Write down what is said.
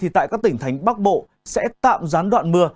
tại các tỉnh thánh bắc bộ sẽ tạm gián đoạn mưa